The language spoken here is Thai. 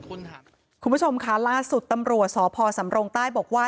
คุณผู้ชมค่ะล่าสุดตำรวจสพสำรงใต้บอกว่า